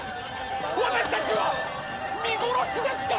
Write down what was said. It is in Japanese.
私たちは見殺しですか！？